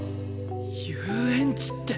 遊園地って。